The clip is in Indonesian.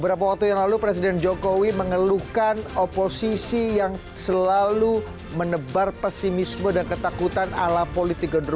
beberapa waktu yang lalu presiden jokowi mengeluhkan oposisi yang selalu menebar pesimisme dan ketakutan ala politik